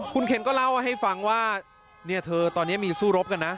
คุณเคนก็เล่าให้ฟังว่าเธอตอนนี้มีสู้รบกันนะ